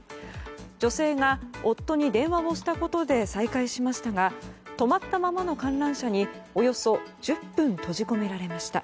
女性が夫に電話をしたことで再開しましたが止まったままの観覧車におよそ１０分閉じ込められました。